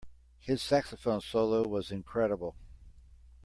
His saxophone solo was incredible.